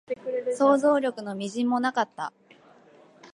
想像力の微塵もなかった